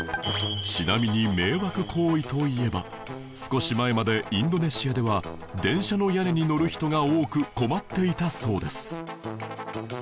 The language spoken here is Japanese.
ちなみに迷惑行為といえば少し前までインドネシアでは電車の屋根に乗る人が多く困っていたそうです